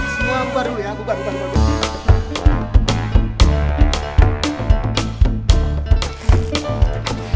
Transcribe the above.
semua bubuk dulu ya bubuk bubuk bubuk